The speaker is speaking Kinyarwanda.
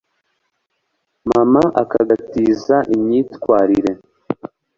mama akagatiza imyitwarire